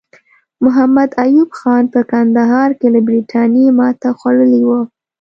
محمد ایوب خان په کندهار کې له برټانیې ماته خوړلې وه.